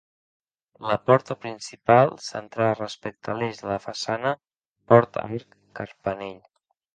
La porta principal, centrada respecte a l'eix de la façana, porta arc carpanell.